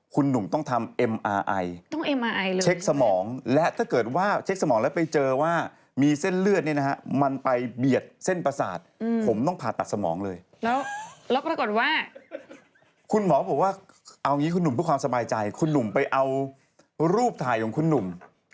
คุณหมอบอกว่าเอาอย่างงี้คุณหนุ่มเพื่อความสบายใจคุณหนุ่มไปเอารูปถ่ายของคุณหนุ่ม